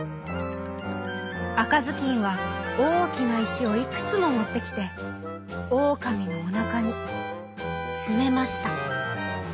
あかずきんはおおきないしをいくつももってきてオオカミのおなかにつめました。